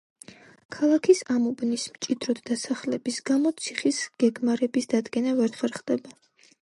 ქალაქის ამ უბნის მჭიდროდ დასახლების გამო ციხის გეგმარების დადგენა ვერ ხერხდება.